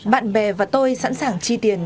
bạn bè và tôi sẵn sàng chi tiền